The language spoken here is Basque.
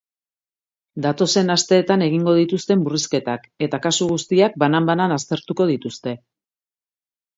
Datozen asteetan egingo dituzte murrizketak eta kasu guztiak banan-banan aztertuko dituzte.